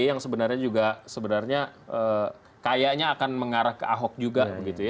yang sebenarnya juga kayanya akan mengarah ke ahok juga